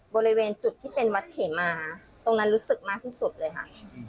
บริเวณจุดที่เป็นวัดเขมาตรงนั้นรู้สึกมากที่สุดเลยค่ะ